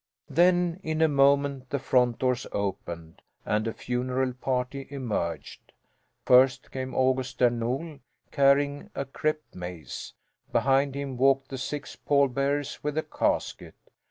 Then, in a moment, the front doors opened and a funeral party emerged. First came August Där Nol, carrying a crêped mace. Behind him walked the six pall bearers with the casket.